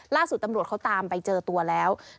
ล่าสุดตำรวจเขาตามไปเจอตัวแล้ว